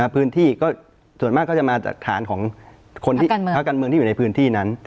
พื้นที่ก็ส่วนมากก็จะมาจากฐานของคนที่พักการเมืองที่อยู่ในพื้นที่นั้น